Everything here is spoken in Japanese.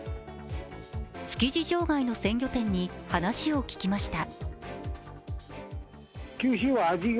築地場外の鮮魚店に話を聞きました。